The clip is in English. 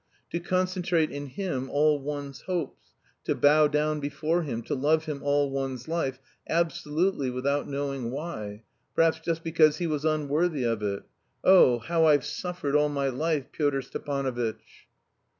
To concentrate in him all one's hopes, to bow down before him; to love him all one's life, absolutely without knowing why perhaps just because he was unworthy of it.... Oh, how I've suffered all my life, Pyotr Stepanovitch!"